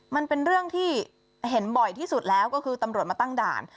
มันเป็นเรื่องที่เห็นบ่อยที่สุดแล้วก็คือตำรวจมาตั้งด่าน